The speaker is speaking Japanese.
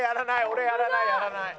俺やらないやらない。